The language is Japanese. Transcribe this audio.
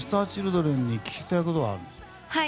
ａｉｋｏはＭｒ．Ｃｈｉｌｄｒｅｎに聞きたいことがあるんだ？